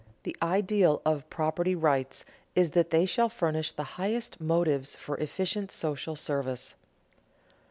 _The ideal of property rights is that they shall furnish the highest motives for efficient social service.